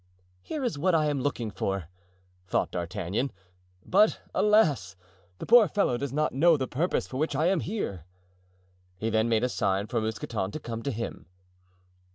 "Here is what I am looking for," thought D'Artagnan; "but alas! the poor fellow does not know the purpose for which I am here." He then made a sign for Mousqueton to come to him.